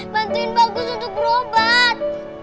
bantuin bagus untuk berobat